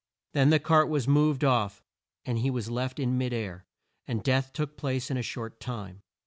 Then the cart was moved off and he was left in mid air, and death took place in a short time.